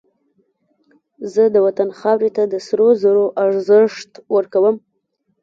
زه د وطن خاورې ته د سرو زرو ارزښت ورکوم